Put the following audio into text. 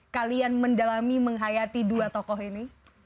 kalian mendalami menghayati dua tokoh ini